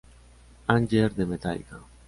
Anger"" de Metallica.